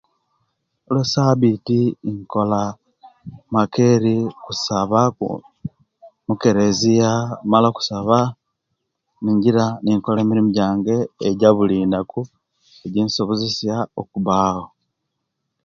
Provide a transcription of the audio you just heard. Olwesabiti inkola makeri kusaba mukereziya oluwemala okusaba ninjira Nikola emirimu jange ejabulilunaku ejinsobozeaya okubawo